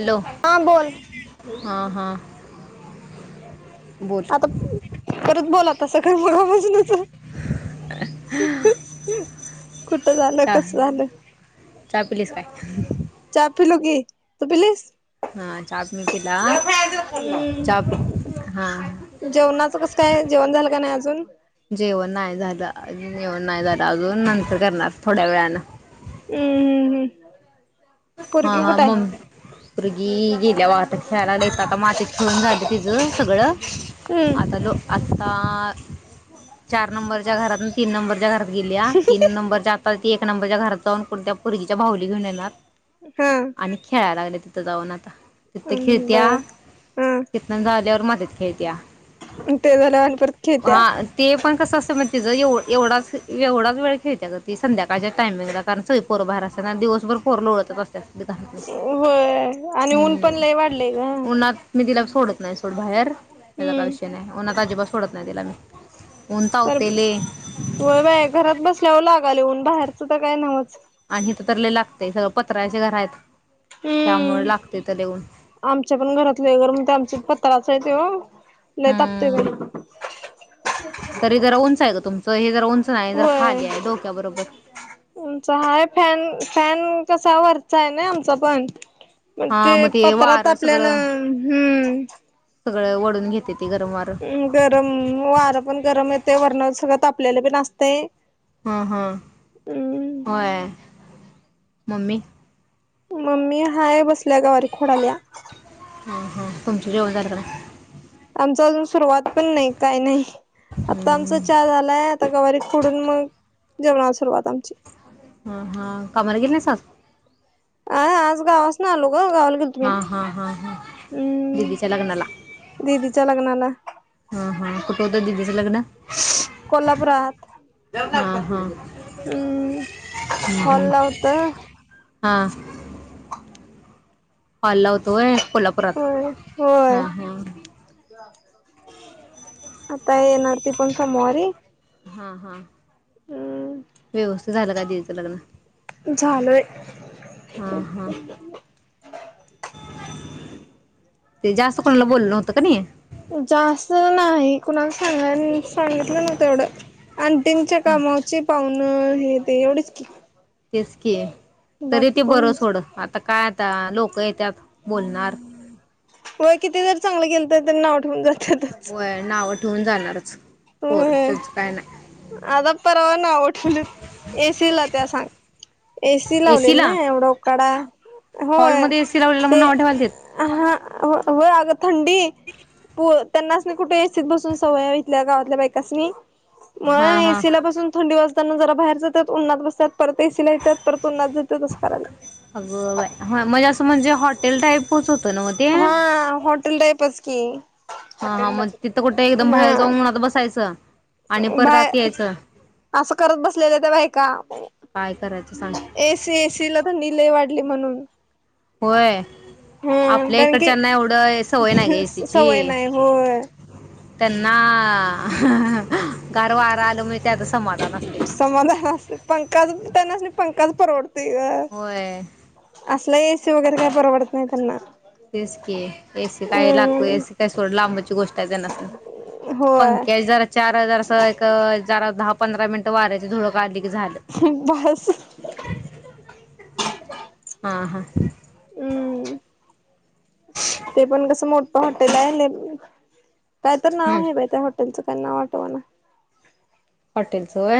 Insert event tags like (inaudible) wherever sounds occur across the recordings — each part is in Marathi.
हॅलो हा बोल हा हा आता परत बोला त सकाळ मुळा पासनच (unintelligible) कुठ झालं चहा कस झालं चहा पिलीस काय चा पिलू की तू पिलीस हा चाच पिला चहा हम्म पी हा जेवणाचं कसं काय जेवण झालं का नाही अजून? जेवण नाय झालं. अजून जेवण नाय झालं अजून नंतर करणार थोड्या वेळानं हम्म हम्म हम्म हा हा मग पोरगी गेल्या बघ आता खेळायला येत आता मातीत खेळून झालं तिच सगळं हम्म आता तो आत्ता चार नंबरच्या घरातून तीन नंबरच्या घरात गेल्या तीन नंबरच्या ती एक नंबरच्या घरात जाऊन कोणत्या पोरगीची बाहुली घेऊन येणार. हा आणि खेळायला लागलेत. तिथं जाऊन आता तिथे बर खेळतात तिथं झाल्यावर आता मातीत खेळत्या मग ते झाल्यावर आणि परत खेळत्या. हा ते पण कसं असं मग तिचं एव एवढाच एवढाच वेळ खेळत्या. ती संध्याकाळच्या टायमिंगला कारण सगळी पोरं बाहेर असत्यास दिवसभर पोरं लोळत होय आणि ऊन पण हम्म लय वाढलंय ग. उन्हात मी तिला सोडत नाही सोड बाहेर ह्याचा काय विषय नाही ऊन्हात अजिबात सोडत नाही तिला मी ऊन तर तावतंय लय व्हय बाय घरात बसल्यावर लागालय उन बाहेरचं तर काय नव्हचं आणि हित तर लय लागतय सगळं पत्र्याची घर आहेत. त्यामुळे हम्म लागतंय तर लय ऊन आमच्या पण घरात लय गरम होतंय आमच्यात पण पत्राच आहे तो हम्म तरी जरा उंच आहे ग तुमच हे जरा उंच नाही जरा होय खाली आहे डोक्याबरोबर उंच आहे फॅन फॅन कसा वरचा आहे ना आमचा पण मग हा ते पत्रा वारं तापल्यान सगळं हम्म सगळं वढून घेते. ते गरम वारं गरम वारं पण गरम येते वर्ण सगळं ताप तापलेल पण असतय हा हा होय मम्मी मम्मी हाय बसल्या गवारी खोडाल्या हा हा तुमच जेवण झालं का नाही? आमच अजून सुरुवात पण नाही काही नाही आता आमचा हम्म चहा झालाय आता गवारीत खुडून मग जेवणाला सुरूवात आमची ह हा कामाला गेले नाहीस आज आ आज गावासन आलो हो गावल गेलतो मी हा हा हा हा हम्म दिदीच्या लग्नाला दिदीच्या लग्नाला कुठ होत दिदीच लग्न कोल्हापुरात हा हा हम्म हॉल ला होत. हां हॉल ला हुत व्हय होय होय आता येणार ती पण समोवारी हा हा हम्म व्यवस्थित झालं काय दिदीच लग्न झालंय हा हा ते जास्त कोणाला बोललं नव्हतं का नाही जास्त नाही कुणाला सांगाय सांगितलं नव्हतं एवढं आणंटींच्या कामावरची पाहूनं नं हे ते एवढेच की तेचकी तरी बाकी ते कोण बर नव्हती सोड हात आता काय आता लोक येत्यात बोलणार व्हय किती जर चांगलं केलंत तर नाव ठेवून जात होय नाव ठेवून जाणार पोर होय त्यांच काय नाय. आता परवा नाव ठेवलीत एसीला त्या सांग एसी लावलेल ना एसीला एवढं उकाडा होय हॉलमध्ये एसी लावलेला म्हणून ते नाव ठेवालतीत हा हो अग थंडी पु त्यांनास नी कुठ एसी बसून सवय हाय इथल्या गावातल्या बायकासनी म हा हा एसी ला पासून थंडी वाज ना जरा बाहेर जातात उन्हात बसतात. परत एसिला येत्यात परत उन्हात जात्यात अस अगं कराल्यात बाय हा म्हणजे असं म्हणजे हॉटेल टाइपच होतं ना मग ते हा हॉटेल टाईपच की हा हा हॉटेल मग लाच तिथं कुठे होतं ग एकदम हा बाहेर जाऊन उन्हात बसायचं आणि परत बाय आत यायचं असं करत बसलेल्या त्या बायका काय करायचं सांग एसी एसीला थंडी लय वाट ली म्हणून होय. हम्म आपल्या कारण की इकडच्यांना एवढं सवय नाय ग एसी ची सवय नाही होय त्यांना गार वारा आलं म्हणजे त्यात समाधान असतय समाधान असते पंकाच तेनास्नी पंखाचं परवडतो. होय ते असलंय शिवगरी काय परवडत नाही त्यांना. तेचकी ए सी काय लागतोय. ए हम्म सी काय सोड लांबच. होय. पंक्याची जरा चार हजार स एक चार, दहा, पंधरा मिनट वाऱ्याची झुळूक आली. ह बास हा हा हम्म ते पण कसं मो इथं हॉटेल आहे ने काय तर हम्म नाव आहे बाई त्या हॉटेलचं. पण नाव आठवना. पाटील अस होय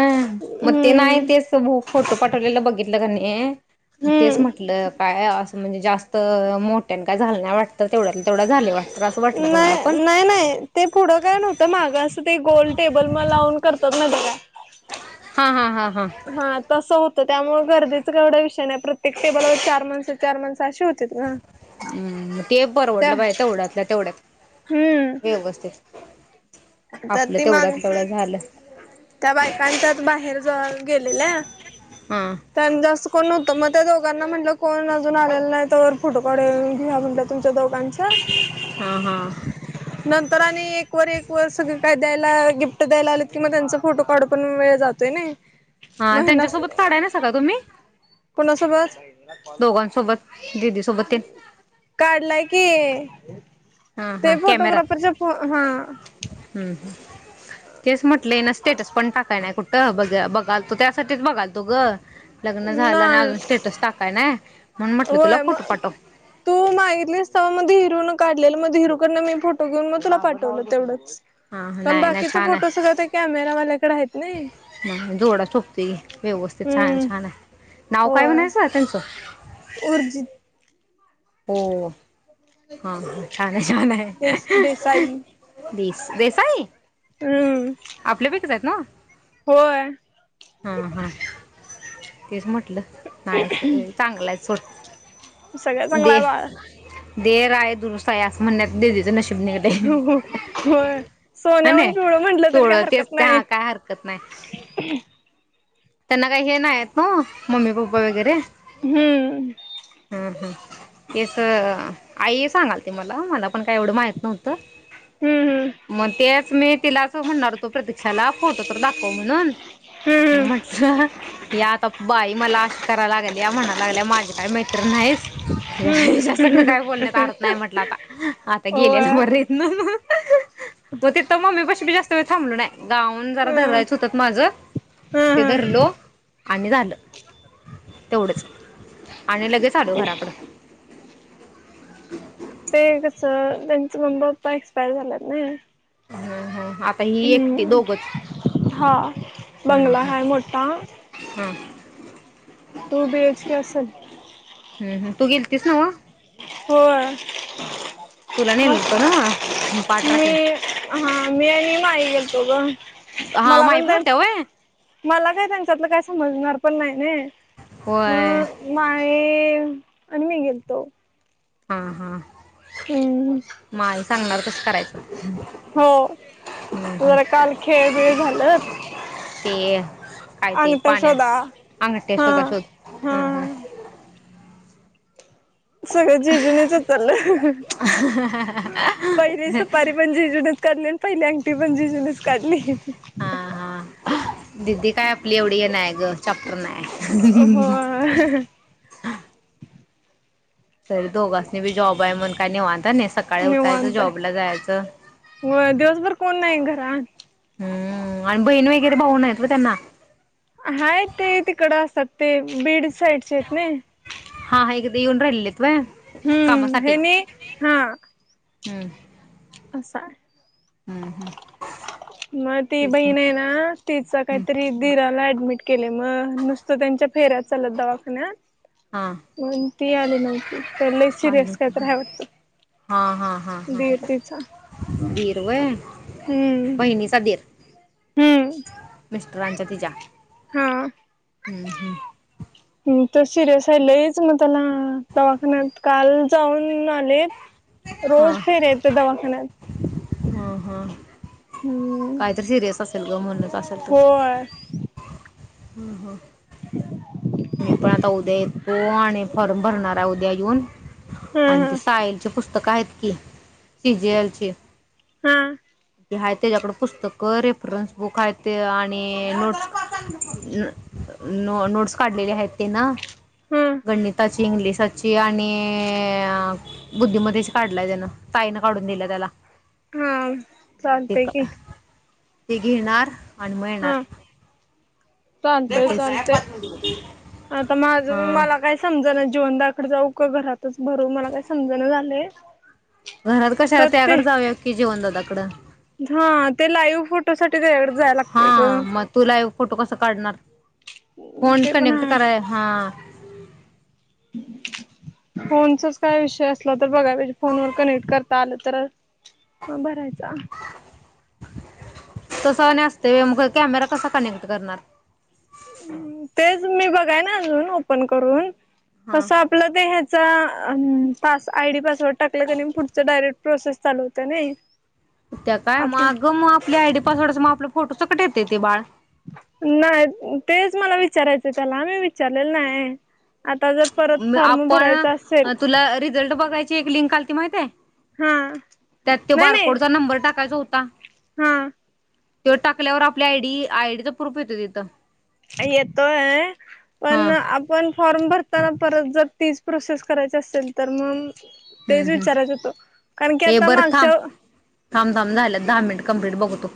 मग ते नाही हम्म तेच फोटो पाठवलेलं बघितलं की नाही. ए मग तेच हम्म म्हटलं काय ऍ अस म्हणजे जास्त मोठ्यान काय झालं नाही वाटतं तेवढ्यातल तेवढं झाले वाटतं. असं वाटलं ग मला पण नाही, नाही, नाही ते पुढं काय नव्हतं माग अस ते गोल टेबल म लावून करतात ना बघा. हा हा हा हा तस होतय. त्यामुळ गर्दीचं काय केवढं विषय नाही प्रत्येक टेबल व चार माणस, चार माणस अशी हो चित्रा ते परवडलं बाई तेवढ्यातल्या तेवढ्यात. हम्म व्यवस्थित तर आपलं ती तेवढ्यातलं माणसं तेवढं झालं. त्या बायकांच्यात बाहेर ज गेलेल्या हा त्यानं जास्त कोण न मग त्या दोघांना म्हटलं कोण अजून आलेल नाही तोवर फोटो काढून घेऊया म्हटलं तुमच्या दोघां हा हा नंतर आणि एक वर एक वर सगळं काय द्यायला गिफ्ट द्यायला आलेत की मग त्यांचं फोटो काढू पण वेळ जातोय नाही. हा मग हेना त्यांच्यासोबत काढायला नाहीसा काय तुम्ही? कोणासोबत? दोघांसोबत. दिदी सोबत तेन काढलाय की. हा ते हा कॅमेरात फोटोग्राफरच्या फोन हा. (inaudible) तेच म्हटले ना स्टेटस पण टाकायला नाही कुठं? अ बघा बघालतो त्यासाठीच बघालतो ग लग्न झालं आणि नाही अजून स्टेटस टाकालाय नाही. होय मग तू मागितलीस तवा माझं हिरोन काढलेलं माझ हिरोकडन मी फोटो घेऊन मग तुला पाठवलं तेवढंच. हा पण नाही बाकीच फोटो सगळं त्या कॅमेरावाल्याकडे आहेत. ना. हा जोडा शोभतोय. व्यवस्थित छान हम्म. छान आहे नाव काय होय म्हणायचं हं त्यांच? उर्जित हो हां हं छान छान आहे. देस देसाई देसाई हम्म आपल्या पैकीच आहेत. ना होय हं हा तेच म्हटलं नाही सगळ चांगल आहे सोड सगळ्या चांगला दे. आहे बाळ. (unintelligible) हु हु हो सोन्याहून पिवळ म्हंटल पिवळ्या तेच ते हा काय हरकत नाही. त्यांना काही हे नाही नव्ह मम्मी पप्पा वगैरे हम् हम हं तेच आई सांगालती मला मला पण पण काही एवढं माहित नव्हतं हम्म मग तेच मी तिलाच म्हणणार होतो प्रतीक्षाला फोटो तर दाखव म्हणून हूं हूं या आता बाई मला अशी कराय लागल्या म्हणाय लागल्या माझी काय मैत्रिण नाहीस. हिंच्यासंघ हम्म काय बोलण्यात अर्थ नाय म्हटलं आता आता गेलेल होय. बरं हीतन त तिथ मम्मी पाशी बी जास्त वेळ थांबलो नाय गाऊन जरा हम्म धरायचं होतत माझं हम्म ते हम्म धरलो आणि झालं तेवढंच आणि लगेच आलो घराकडं (inaudible) ते कसं त्यांचं मम्मी पप्पा एक्सपायर झाल्यात न हम्म हम्म आता ही एकटी दोघंच हम्म हा हम्म बंगला हम्म हाय मोटा हम्म टू बीएचके असल तीच न्हवं होय. तुला नेलत नव्ह मस्त पाठराखीन मी हा मी आणि माई गेलतो ग हा मला माही पण त्यां होत्या व्हय मला काय त्यांच्यातलं काय समजणार पण नाय नाय होय मग माई आणि मी गेलतो. हा हा हम्म माही सांगणार कस करायचं हो हम्म जरा काल खेळ बीळ झालत ते काय ते अंगठया पाण्या शोधा अंगठ्या हा शोधा शोध हा हम्म हम्म सगळ जीजुनीचं उचलं सुपारी पण जिजुनीच काढली आणि (inaudible) पहिली अंगटी पण जिजुनीच काढली. हा (inaudible) दिदी काय आपली एवढी हे नाय ग चापटर नाय हो तरी दोघांसनी बी जॉब आहे मग काय निवांत नाही सकाळी उठायचं निवांत जॉबला जायचं. आहे व्हय दिवसभर कोण नाय घरात हम्म आणि बहीण वगैरे भाऊ नाहीत व्हय त्यांना हाय ते तिकड असतात ते बीड साईडचे आहेत नय हा हाय की ते येऊन राहिलेलेत. हूं हेनी हा हम्म आसाय हम्म हम्म मग ती तेच बहीण आहे म्हटलं ना, तिचा हम्म काहीतरी दिराला ऍडमिट केलंय मग नुसतं त्यांच्या फेऱ्याच चालल्यात दवाखान्यात. हा मग ती आली नव्हती ते लईच आले सिरियस होते कायतर हाय वाटत हा हा हा हा दिर तिचा. दीर व्हय हम्म बहिणीचा दीर. हम्म. रांचा तीच्या हा हम्म, हम्म. तो सिरियस हाय लईच मग त्याला दवाखान्यात काल जाऊन आले. हा रोज फेरी आहेत दवाखान्यात. हा, हा. हम्म काहीतरी सिरियस असेल ग म्हणूनच असेल तस. होय हम्म हा. (unintelligible) जा उद्या येऊन हा हा आणखी सायलच पुस्तक आहेत की सीजीएलची. हा. आहे त्याच्याकडं, पुस्तकं, रेफरन्स बुक आहेत आणि नोट् नोट्स काढलेले आहेत तेन. हम्म गणिता इंग्लिसाची आणि आ आ बुद्धिमतेची काढलाय त्यांन. ताईनं काढून दिलंय त्याला. हम्म मग ते चालतंय की. ते घेणार आणि मग येणार. हा चालतय, मग चालतंय तेच आता माझ हा मला काही समजना जिवनदा कड जाऊ का घरातच भरू मला काही समजणा झालंय. घरात कशाला खर ते त्याकडं जाऊया की जिवनदादाकडं. हा ते लाईव्ह फोटोसाठी तेज्याकडं जाय लागतेय ग. हा मग तू लाईव्ह फोटो कसा काढणार हम्म फोन ते पण कनेक्ट हाय. कराय हा फोनचच काय विषय असला तर बघाय पाहिजे. फोनवर कनेक्ट करता आलं तर मग भरायचा. तसं आणि असतंय व्हय. मग कॅमेरा कसा कनेक्ट करणार? तेच मी बघाय नाय अजून ओपन करून. हा कसं आपलं त ह्याचा अं पास आयडी पासवर्ड टाकलं क‌ नई मग पुढच डायरेक्ट प्रोसेस चालू होतय नाई. त्या काय मागं मग आपल्या आयडी पासवर्डचं मग आपलं फोटो सगट येतंय ते बाळ. नाही तेच मला विचारायचं त्याला आम्ही विचारलेलं नाय. आता जर परत फॉर्म भरायचा असेल आपण तुला रिझल्ट बघायची एक लिंक आलती माहिती हाय? हा त्यात तो नाही नाही बारकोडचा नंबर टाक. कालचा होता. हा. त्यो टाकल्यावर आपल्या आयडी आयडीचा प्रूफ येतोय तिथं. येतोय, हा पण आपण फॉर्म भरताना परत जर तीच प्रोसेस करायची असेल तर मग हम्म, तेच हम्म. विचारायचं होतं कारण की ये आता बरं थांब. मागच्या थांब, थांब झाल्या दहा मिनिट कम्प्लीट बघतो.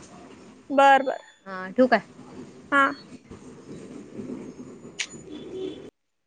बर, बर हा ठेवू काय हा. (inaudible)